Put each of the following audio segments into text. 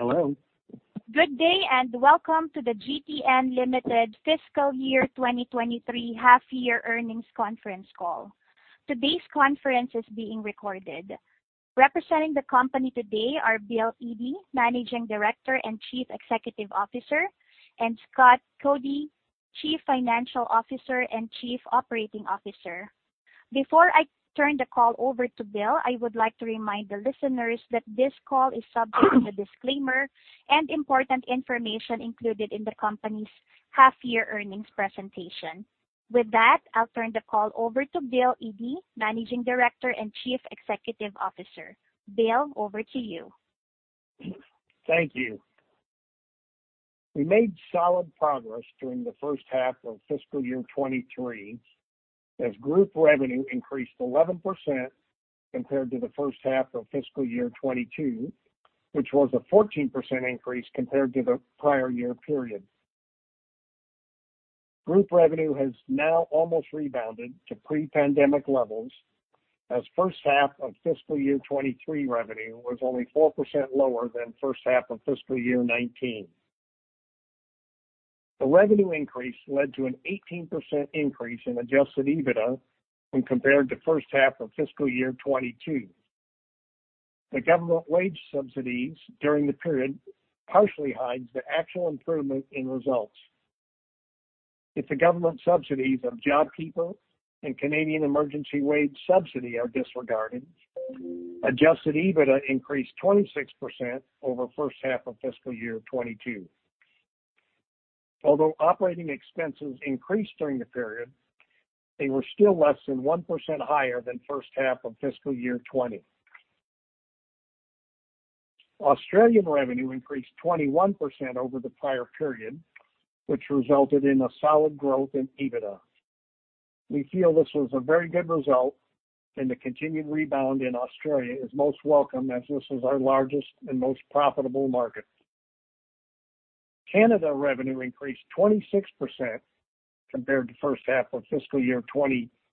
Hello. Good day, and welcome to the GTN Limited Fiscal Year 2023 half-year earnings conference call. Today's conference is being recorded. Representing the Company today are Bill Yde, Managing Director and Chief Executive Officer, and Scott Cody, Chief Financial Officer and Chief Operating Officer. Before I turn the call over to Bill, I would like to remind the listeners that this call is subject to the disclaimer and important information included in the Company's half-year earnings presentation. With that, I'll turn the call over to Bill Yde, Managing Director and Chief Executive Officer. Bill, over to you. Thank you. We made solid progress during the first half of Fiscal Year 2023 as Group revenue increased 11% compared to the first half of Fiscal Year 2022, which was a 14% increase compared to the prior year period. Group revenue has now almost rebounded to pre-pandemic levels as first half of Fiscal Year 2023 revenue was only 4% lower than first half of Fiscal Year 2019. The revenue increase led to an 18% increase in Adjusted EBITDA when compared to first half of Fiscal Year 2022. The government wage subsidies during the period partially hides the actual improvement in results. If the government subsidies of JobKeeper and Canada Emergency Wage Subsidy are disregarded, Adjusted EBITDA increased 26% over first half of Fiscal Year 2022. Although operating expenses increased during the period, they were still less than 1% higher than 1H FY20. Australian revenue increased 21% over the prior period, which resulted in a solid growth in EBITDA. We feel this was a very good result, and the continued rebound in Australia is most welcome as this is our largest and most profitable market. Canada revenue increased 26% compared to 1H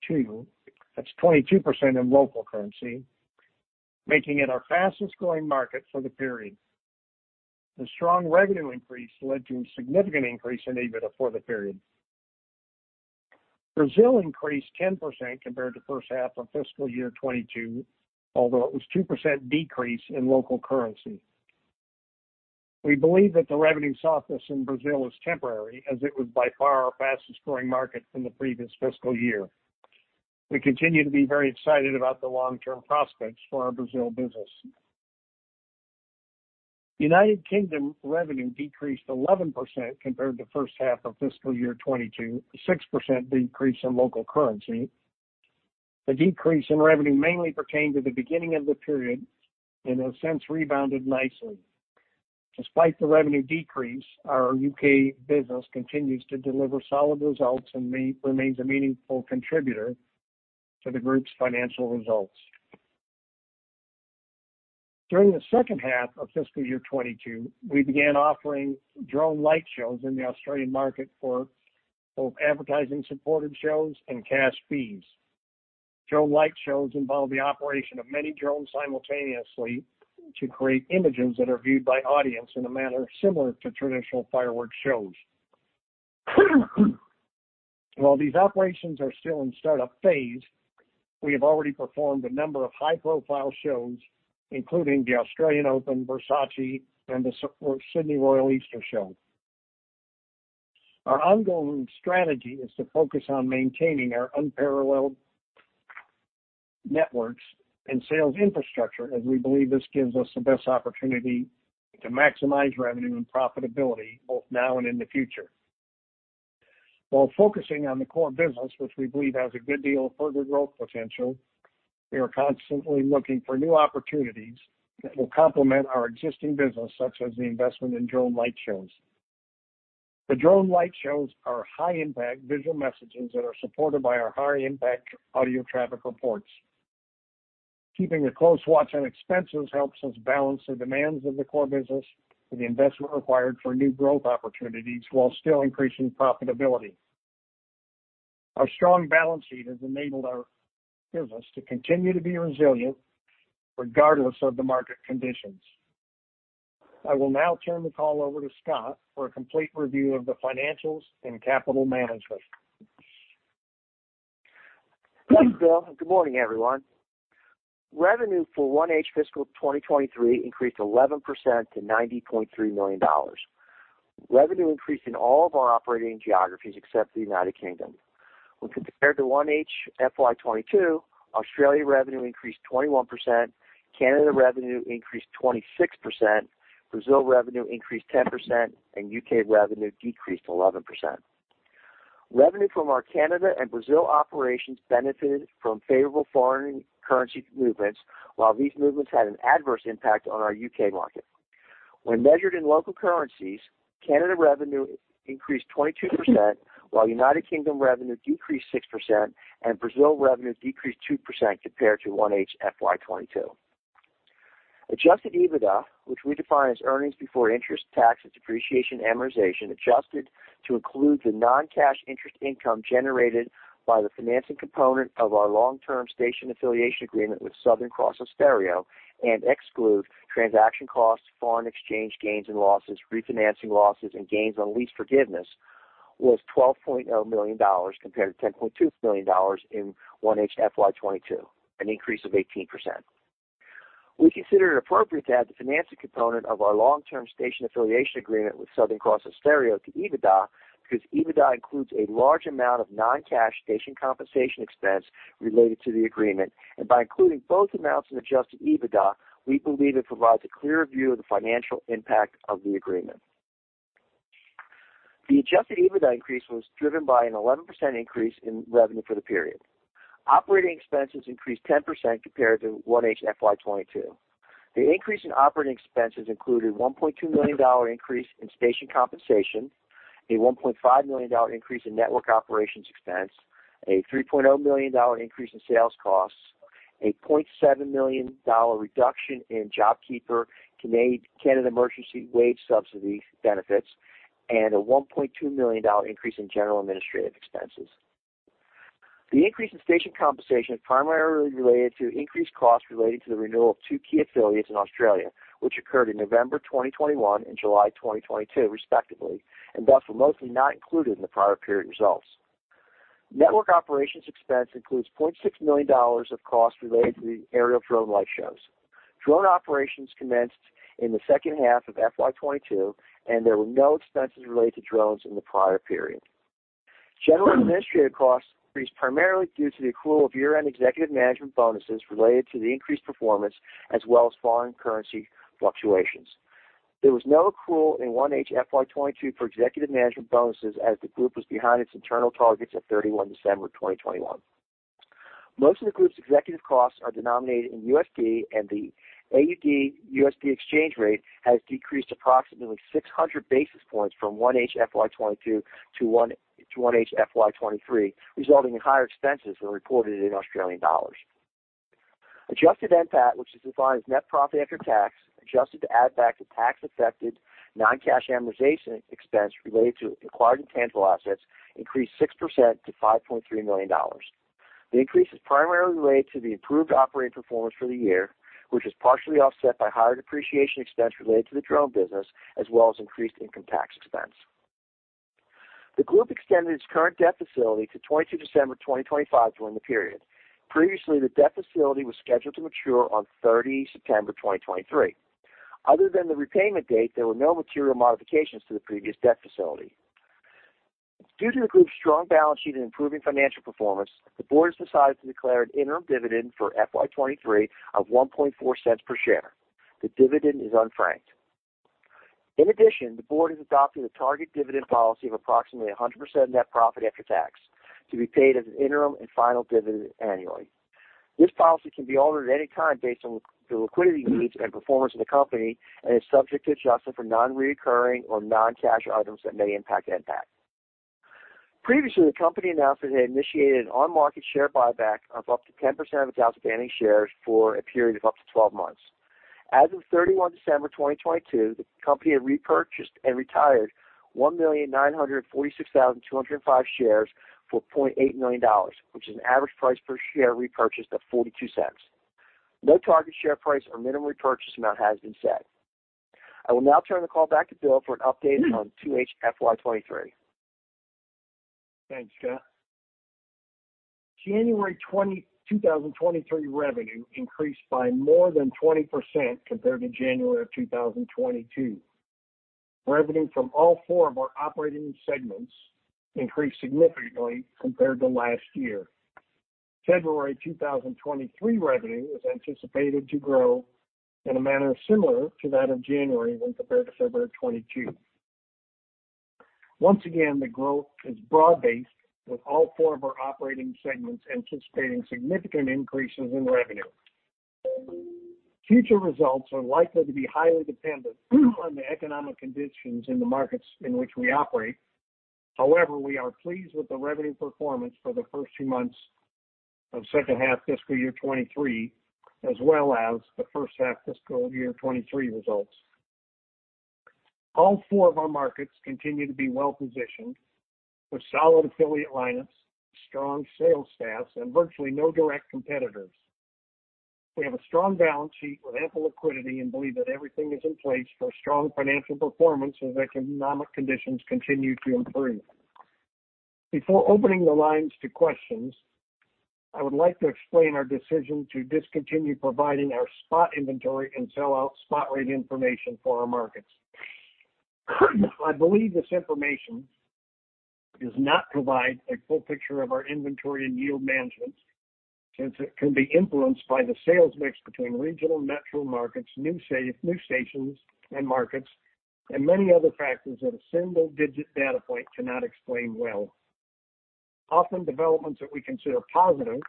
FY22. That's 22% in local currency, making it our fastest-growing market for the period. The strong revenue increase led to a significant increase in EBITDA for the period. Brazil increased 10% compared to 1H FY22, although it was 2% decrease in local currency. We believe that the revenue softness in Brazil is temporary as it was by far our fastest-growing market in the previous fiscal Year. We continue to be very excited about the long-term prospects for our Brazil business. United Kingdom revenue decreased 11% compared to 1H FY22, a 6% decrease in local currency. The decrease in revenue mainly pertained to the beginning of the period and has since rebounded nicely. Despite the revenue decrease, our UK business continues to deliver solid results and remains a meaningful contributor to the Group's financial results. During 2H FY22, we began offering drone light shows in the Australian market for both advertising-supported shows and cash fees. Drone light shows involve the operation of many drones simultaneously to create images that are viewed by audience in a manner similar to traditional fireworks shows. While these operations are still in startup phase, we have already performed a number of high-profile shows, including the Australian Open, Versace, and the Sydney Royal Easter Show. Our ongoing strategy is to focus on maintaining our unparalleled networks and sales infrastructure, as we believe this gives us the best opportunity to maximize revenue and profitability both now and in the future. While focusing on the core business, which we believe has a good deal of further growth potential, we are constantly looking for new opportunities that will complement our existing business, such as the investment in drone light shows. The drone light shows are high-impact visual messages that are supported by our high-impact audio traffic reports. Keeping a close watch on expenses helps us balance the demands of the core business and the investment required for new growth opportunities while still increasing profitability. Our strong balance sheet has enabled our business to continue to be resilient regardless of the market conditions. I will now turn the call over to Scott for a complete review of the financials and capital management. Thanks, Bill. Good morning, everyone. Revenue for 1H FY23 increased 11% to $93 million. Revenue increased in all of our operating geographies except the United Kingdom. When compared to 1H FY22, Australia revenue increased 21%, Canada revenue increased 26%, Brazil revenue increased 10%, and U.K. revenue decreased 11%. Revenue from our Canada and Brazil operations benefited from favorable foreign currency movements, while these movements had an adverse impact on our U.K. market. When measured in local currencies, Canada revenue increased 22%, while United Kingdom revenue decreased 6% and Brazil revenue decreased 2% compared to 1H FY22. Adjusted EBITDA, which we define as earnings before interest, taxes, depreciation, amortization, adjusted to include the non-cash interest income generated by the financing component of our long-term station affiliation agreement with Southern Cross Austereo and exclude transaction costs, foreign exchange gains and losses, refinancing losses and gains on lease forgiveness. Was 12.0 million dollars compared to 10.2 million dollars in 1H FY22, an increase of 18%. We consider it appropriate to add the financing component of our long-term station affiliation agreement with Southern Cross Austereo to EBITDA because EBITDA includes a large amount of non-cash station compensation expense related to the agreement. By including both amounts in Adjusted EBITDA, we believe it provides a clearer view of the financial impact of the agreement. The Adjusted EBITDA increase was driven by an 11% increase in revenue for the period. Operating expenses increased 10% compared to 1H FY22. The increase in operating expenses included 1.2 million dollar increase in station compensation, a 1.5 million dollar increase in network operations expense, a 3.0 million dollar increase in sales costs, a 0.7 million dollar reduction in JobKeeper Canada Emergency Wage Subsidy benefits, and a 1.2 million dollar increase in general administrative expenses. The increase in station compensation is primarily related to increased costs related to the renewal of two key affiliates in Australia, which occurred in November 2021 and July 2022, respectively, and thus were mostly not included in the prior period results. Network operations expense includes 0.6 million dollars of costs related to the aerial drone light shows. Drone operations commenced in the second half of FY22, and there were no expenses related to drones in the prior period. General administrative costs increased primarily due to the accrual of year-end executive management bonuses related to the increased performance as well as foreign currency fluctuations. There was no accrual in 1H FY22 for executive management bonuses as the Group was behind its internal targets at 31 December 2021. Most of the Group's executive costs are denominated in USD, and the AUD-USD exchange rate has decreased approximately 600 basis points from 1H FY22 to 1H FY23, resulting in higher expenses when reported in Australian dollars. Adjusted NPAT, which is defined as net profit after tax, adjusted to add back the tax-affected non-cash amortization expense related to acquired intangible assets, increased 6% to 5.3 million dollars. The increase is primarily related to the improved operating performance for the year, which is partially offset by higher depreciation expense related to the drone business as well as increased income tax expense. The Group extended its current debt facility to 22 December 2025 during the period. Previously, the debt facility was scheduled to mature on 30 September 2023. Other than the repayment date, there were no material modifications to the previous debt facility. Due to the Group's strong balance sheet and improving financial performance, the board has decided to declare an interim dividend for FY23 of 0.014 per share. The dividend is unfranked. In addition, the board has adopted a target dividend policy of approximately 100% net profit after tax to be paid as an interim and final dividend annually. This policy can be altered at any time based on the liquidity needs and performance of the Company and is subject to adjustment for non-recurring or non-cash items that may impact NPAT. Previously, the Company announced that it had initiated an on-market share buyback of up to 10% of its outstanding shares for a period of up to 12 months. As of 31 December 2022, the Company had repurchased and retired 1,946,205 shares for 0.8 million dollars, which is an average price per share repurchased of 0.42. No target share price or minimum repurchase amount has been set. I will now turn the call back to Bill for an update on 2H FY23. Thanks, Scott. January 2023 revenue increased by more than 20% compared to January of 2022. Revenue from all four of our operating segments increased significantly compared to last year. February 2023 revenue is anticipated to grow in a manner similar to that of January when compared to February of 2022. Once again, the growth is broad-based with all four of our operating segments anticipating significant increases in revenue. Future results are likely to be highly dependent on the economic conditions in the markets in which we operate. However, we are pleased with the revenue performance for the first two months of 2H FY23, as well as the 1H FY23 results. All four of our markets continue to be well-positioned with solid affiliate lineups, strong sales staffs, and virtually no direct competitors. We have a strong balance sheet with ample liquidity and believe that everything is in place for strong financial performance as economic conditions continue to improve. Before opening the lines to questions, I would like to explain our decision to discontinue providing our spot inventory and sell-out spot rate information for our markets. I believe this information does not provide a full picture of our inventory and yield management since it can be influenced by the sales mix between regional and metro markets, new stations and markets, and many other factors that a single-digit data point cannot explain well. Often, developments that we consider positive,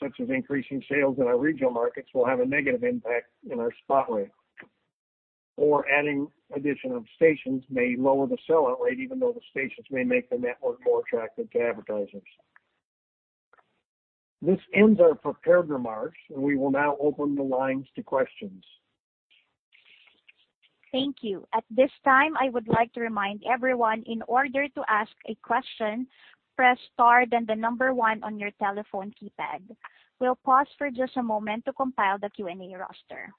such as increasing sales in our regional markets, will have a negative impact in our spot rate, or adding additional stations may lower the sell-out rate even though the stations may make the network more attractive to advertisers. This ends our prepared remarks, and we will now open the lines to questions. Thank you. At this time, I would like to remind everyone in order to ask a question, press star then the number one on your telephone keypad. We'll pause for just a moment to compile the Q&A roster.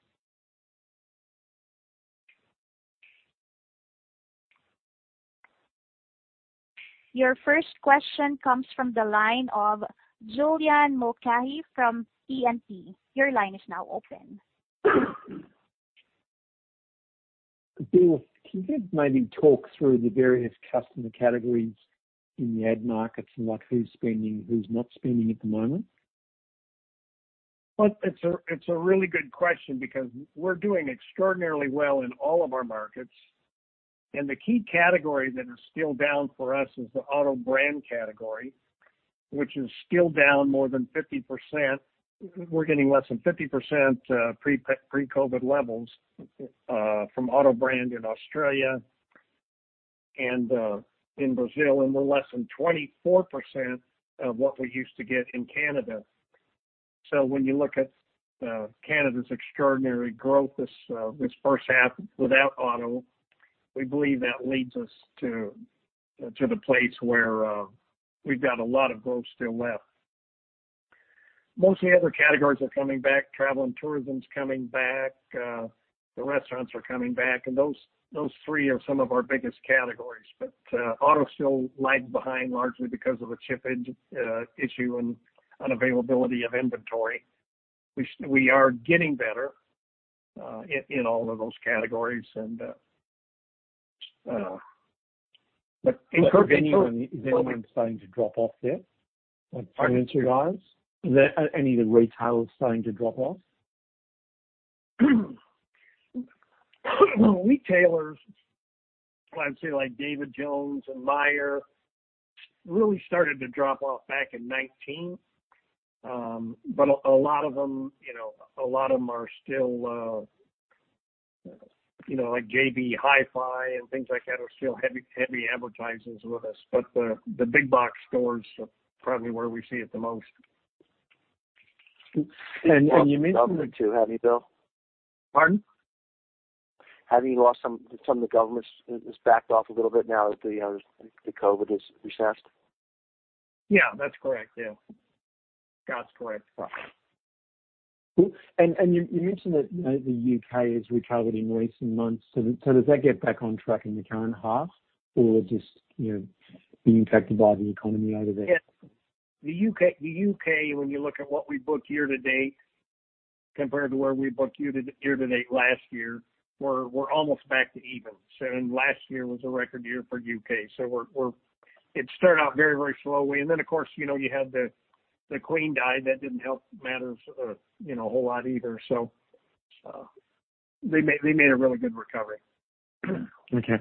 Your first question comes from the line of Julian Mulcahy from E&P. Your line is now open. Bill, can you maybe talk through the various customer categories in the ad markets and like who's spending, who's not spending at the moment? It's a really good question because we're doing extraordinarily well in all of our markets. The key category that is still down for us is the auto brand category, which is still down more than 50%. We're getting less than 50% pre-COVID levels from auto brand in Australia and in Brazil, and we're less than 24% of what we used to get in Canada. When you look at Canada's extraordinary growth this first half without auto, we believe that leads us to the place where we've got a lot of growth still left. Most of the other categories are coming back. Travel and tourism is coming back, the restaurants are coming back. Those three are some of our biggest categories. auto still lagged behind largely because of a chip shortage issue and unavailability of inventory. We are getting better in all of those categories and. Is anyone starting to drop off there from finance regards? Is any of the retail starting to drop off? Retailers, I'd say like David Jones and Myer really started to drop off back in 2019. A lot of them, you know, a lot of them are still, you know, like JB Hi-Fi and things like that are still heavy advertisers with us. The big box stores are probably where we see it the most. You mentioned- Government too, have you, Bill? Pardon? Have you lost Some of the government's is backed off a little bit now that the COVID has recessed? Yeah, that's correct. Yeah. That's correct. Cool. You mentioned that the U.K. has recovered in recent months. Does that get back on track in the current half or just, you know, being impacted by the economy out of there? Yeah. The U.K., when you look at what we booked year-to-date compared to where we booked year-to-date last year, we're almost back to even. Last year was a record year for the U.K. We're. It started out very, very slowly. Then of course, you know, you had the Queen die. That didn't help matters, you know, a whole lot either. They made a really good recovery. Okay.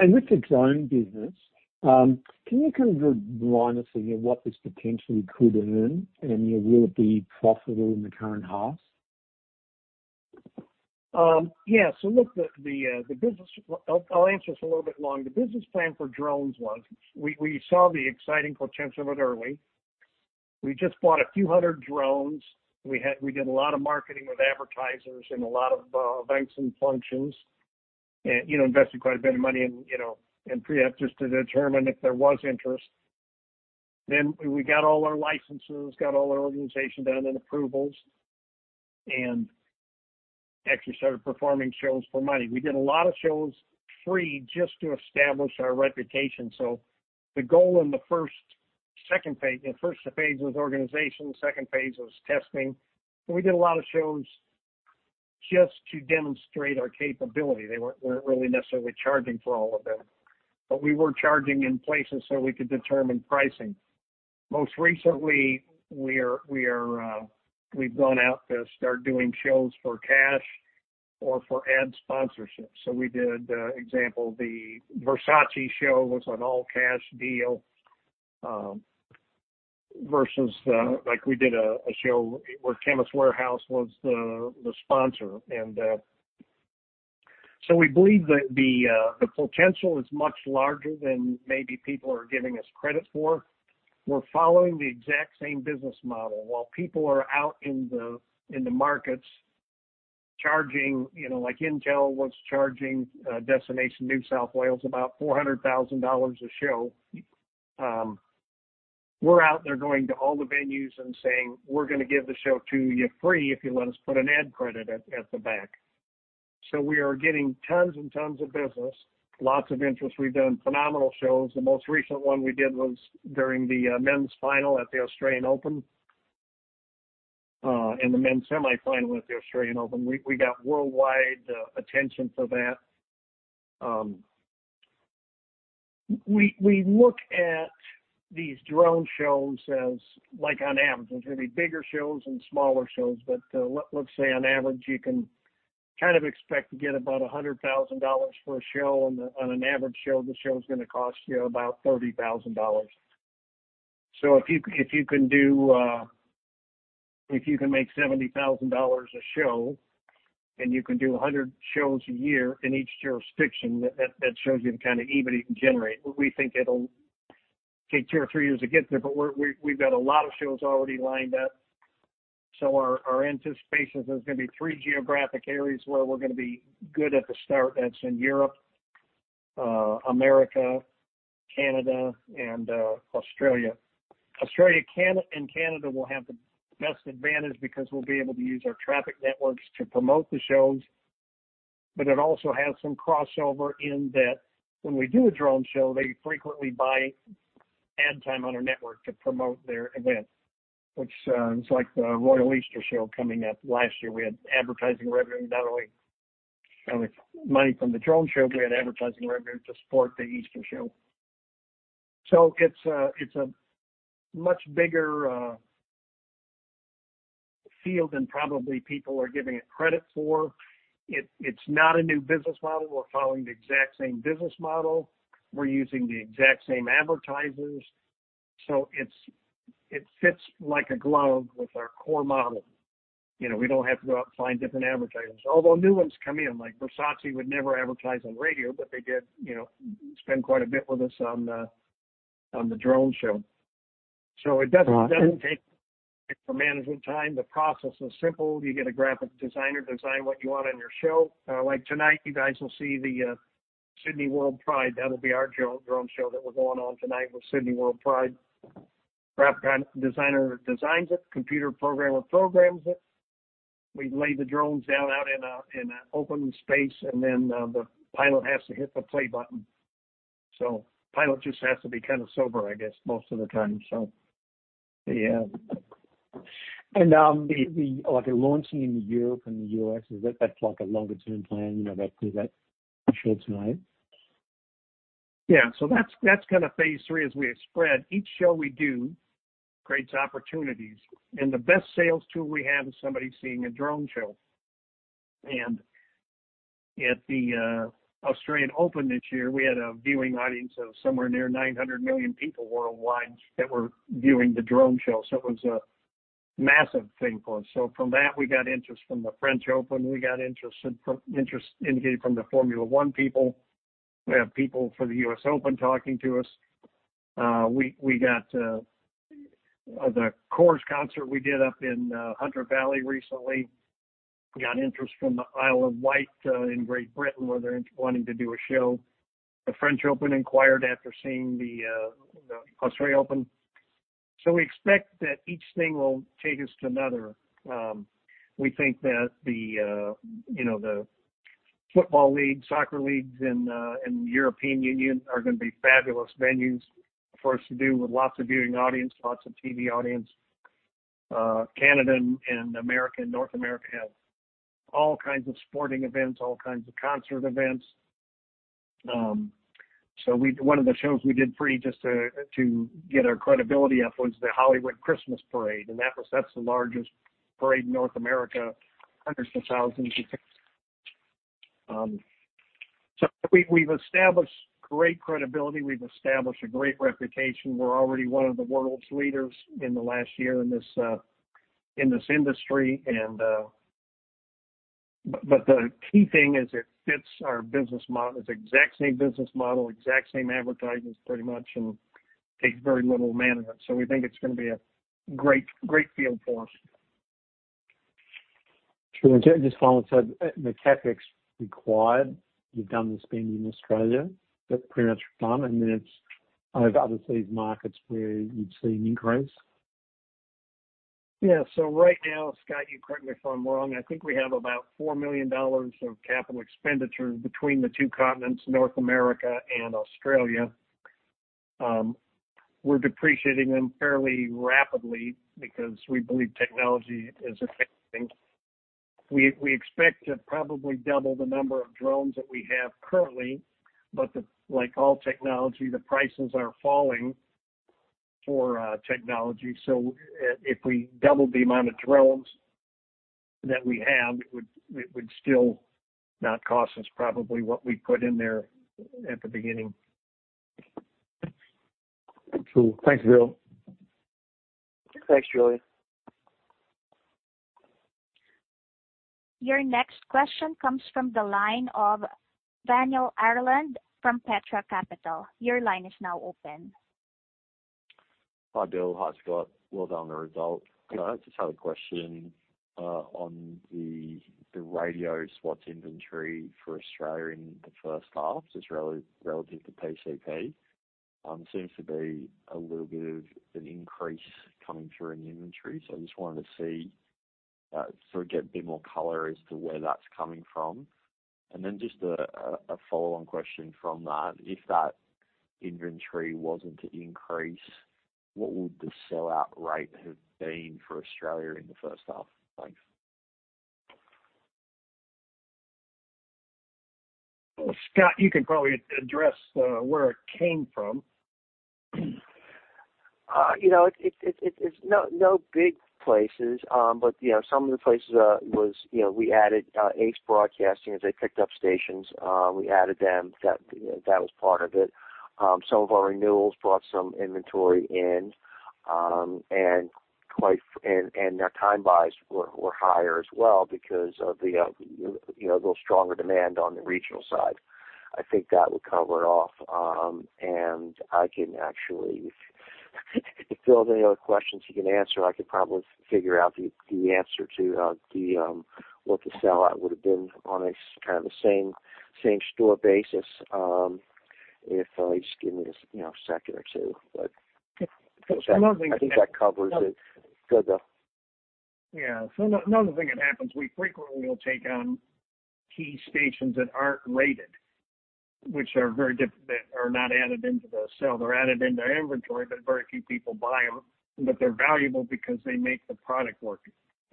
With the drone business, can you kind of remind us again what this potentially could earn and will it be profitable in the current half? Yeah. Look, I'll answer this a little bit long. The business plan for drones was we saw the exciting potential of it early. We just bought a few hundred drones. We did a lot of marketing with advertisers and a lot of events and functions and, you know, invested quite a bit of money in, you know, in pre-ops just to determine if there was interest. We got all our licenses, got all our organization done and approvals, and actually started performing shows for money. We did a lot of shows free just to establish our reputation. The first phase was organization, the second phase was testing. We did a lot of shows just to demonstrate our capability. They weren't really necessarily charging for all of them. We were charging in places so we could determine pricing. Most recently we've gone out to start doing shows for cash or for ad sponsorship. We did example, the Versace show was an all-cash deal versus like we did a show where Chemist Warehouse was the sponsor. We believe that the potential is much larger than maybe people are giving us credit for. We're following the exact same business model. While people are out in the markets charging, you know, like Intel was charging Destination New South Wales about 400,000 dollars a show. We're out there going to all the venues and saying, "We're gonna give the show to you free if you let us put an ad credit at the back." We are getting tons and tons of business, lots of interest. We've done phenomenal shows. The most recent one we did was during the men's final at the Australian Open and the men's semifinal at the Australian Open. We got worldwide attention for that. We look at these drone shows as like on average. There's gonna be bigger shows and smaller shows. Let's say on average, you can kind of expect to get about $100,000 for a show. On an average show, the show is gonna cost you about $30,000. If you can do, if you can make 70,000 dollars a show and you can do 100 shows a year in each jurisdiction, that shows you the kind of EBITDA you can generate. We think it'll take 2 or 3 years to get there, but we've got a lot of shows already lined up. Our anticipation is there's gonna be 3 geographic areas where we're gonna be good at the start. That's in Europe, America, Canada, and Australia. Australia and Canada will have the best advantage because we'll be able to use our traffic networks to promote the shows. But it also has some crossover in that when we do a drone show, they frequently buy ad time on our network to promote their event. Which, it's like the Sydney Royal Easter Show coming up. Last year, we had advertising revenue, not only money from the drone show, we had advertising revenue to support the Easter Show. It's a much bigger field than probably people are giving it credit for. It's not a new business model. We're following the exact same business model. We're using the exact same advertisers. It fits like a glove with our core model. You know, we don't have to go out and find different advertisers. Although new ones come in, like Versace would never advertise on radio, but they did, you know, spend quite a bit with us on the drone show. It doesn't. Uh-huh. It doesn't take for management time. The process is simple. You get a graphic designer design what you want on your show. Like tonight, you guys will see the Sydney WorldPride. That'll be our drone show that we're going on tonight with Sydney WorldPride. Graphic designer designs it, computer programmer programs it. We lay the drones down out in an open space, the pilot has to hit the play button. Pilot just has to be kind of sober, I guess, most of the time. Yeah. Like, you're launching in Europe and the US, is that's like a longer-term plan, you know, that through that show tonight? That's kinda phase three as we expand. Each show we do creates opportunities, the best sales tool we have is somebody seeing a drone show. At the Australian Open this year, we had a viewing audience of somewhere near 900 million people worldwide that were viewing the drone show. It was a massive thing for us. From that, we got interest from the French Open. We got interest indicated from the Formula One people. We have people for the US Open talking to us. We got the The Corrs concert we did up in Hunter Valley recently. We got interest from the Isle of Wight in Great Britain, where they're wanting to do a show. The French Open inquired after seeing the Australian Open. We expect that each thing will take us to another. We think that the, you know, the football league, soccer leagues in European Union are gonna be fabulous venues for us to do with lots of viewing audience, lots of TV audience. Canada and America, North America has all kinds of sporting events, all kinds of concert events. One of the shows we did free just to get our credibility up was the Hollywood Christmas Parade, and that was that's the largest parade in North America, hundreds of thousands of people. We, we've established great credibility. We've established a great reputation. We're already one of the world's leaders in the last year in this, in this industry. The key thing is it fits our business model. It's exact same business model, exact same advertisers pretty much, and takes very little management. We think it's going to be a great field for us. Sure. Just following, so, the CapEx required, you've done the spend in Australia. That's pretty much done, and then it's over these markets where you'd see an increase? Right now, Scott, you correct me if I'm wrong, I think we have about $4 million of capital expenditure between the two continents, North America and Australia. We're depreciating them fairly rapidly because we believe technology is advancing. We expect to probably double the number of drones that we have currently, but the, like all technology, the prices are falling for technology. If we double the amount of drones that we have, it would still not cost us probably what we put in there at the beginning. Cool. Thanks, Bill. Thanks, Julian. Your next question comes from the line of Daniel Ireland from Petra Capital. Your line is now open. Hi, Bill. Hi, Scott. Well done on the result. You know, I just had a question on the radio spots inventory for Australia in the first half just relative to PCP. Seems to be a little bit of an increase coming through in the inventory. I just wanted to see sort of get a bit more color as to where that's coming from. Then just a follow-on question from that. If that inventory wasn't to increase, what would the sell-out rate have been for Australia in the first half? Thanks. Well, Scott, you can probably address where it came from. you know, it's no big places. you know, some of the places was, you know, we added ACE Broadcasting as they picked up stations. We added them. That, you know, that was part of it. Some of our renewals brought some inventory in, and their time buys were higher as well because of the, you know, little stronger demand on the regional side. I think that would cover it off. I can actually if Bill has any other questions he can answer, I could probably figure out the answer to the what the sellout would have been on a kind of the same-store basis, if you just give me a you know, second or two. So another thing- I think that covers it. Go ahead, Bill. Another thing that happens, we frequently will take on key stations that aren't rated, which are not added into the sell. They're added into our inventory, but very few people buy them. They're valuable because they make the product work.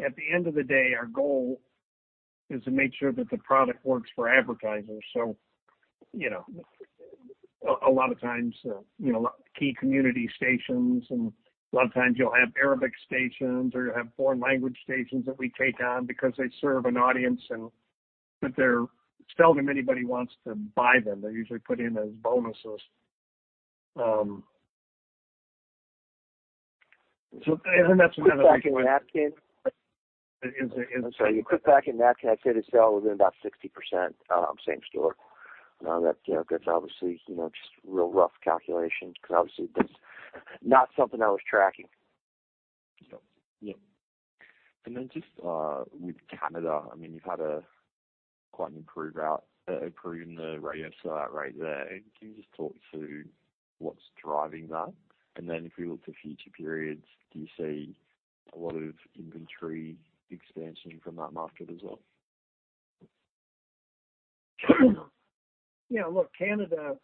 At the end of the day, our goal is to make sure that the product works for advertisers. you know, a lot of times, you know, key community stations and a lot of times you'll have Arabic stations or you'll have foreign language stations that we take on because they serve an audience and, but it's seldom anybody wants to buy them. They're usually put in as bonuses. That's another thing. Quick back in that, Ken. Is it? I'm sorry. Quick back in that, can I say the sell was about 60%, same store. That, you know, that's obviously, you know, just real rough calculations because obviously that's not something I was tracking. Yeah. Yeah. Just with Canada, I mean, you've had quite an improve in the radio sell-out rate there. Can you just talk to what's driving that? If you look to future periods, do you see a lot of inventory expansion from that market as well? Yeah. Look, Canada,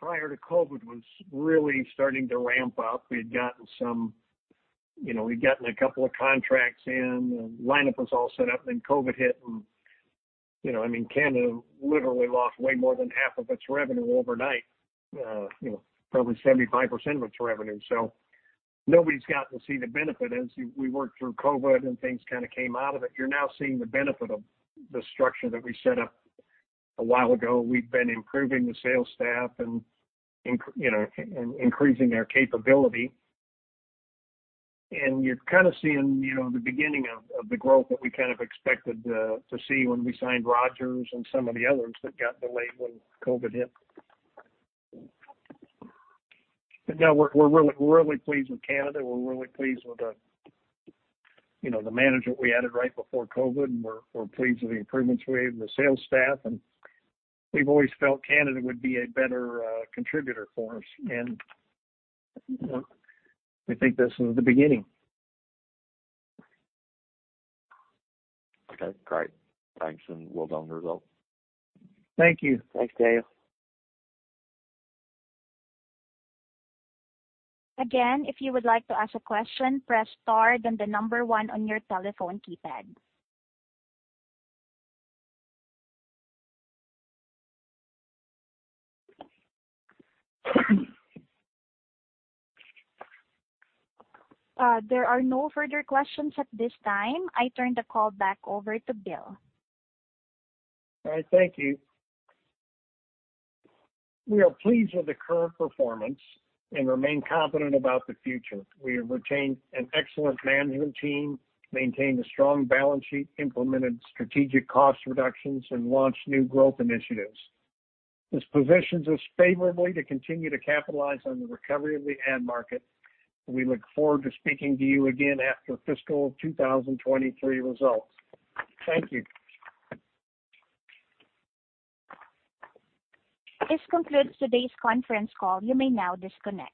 prior to COVID, was really starting to ramp up. We'd gotten some, you know, we'd gotten a couple of contracts in, and the lineup was all set up, and then COVID hit. You know, I mean, Canada literally lost way more than half of its revenue overnight, you know, probably 75% of its revenue. Nobody's gotten to see the benefit. As we worked through COVID and things kinda came out of it, you're now seeing the benefit of the structure that we set up a while ago. We've been improving the sales staff and increasing their capability. You're kinda seeing, you know, the beginning of the growth that we kind of expected to see when we signed Rogers and some of the others that got delayed when COVID hit. No, we're really, really pleased with Canada. We're really pleased with the, you know, the management we added right before COVID, and we're pleased with the improvements we made in the sales staff. We've always felt Canada would be a better contributor for us, and we think this is the beginning. Okay, great. Thanks, and well done, results. Thank you. Thanks, Daniel. Again, if you would like to ask a question, press star then the number one on your telephone keypad. There are no further questions at this time. I turn the call back over to Bill. All right. Thank you. We are pleased with the current performance and remain confident about the future. We have retained an excellent management team, maintained a strong balance sheet, implemented strategic cost reductions, and launched new growth initiatives. This positions us favorably to continue to capitalize on the recovery of the ad market. We look forward to speaking to you again after fiscal 2023 results. Thank you. This concludes today's conference call. You may now disconnect.